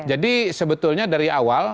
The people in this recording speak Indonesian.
jadi sebetulnya dari awal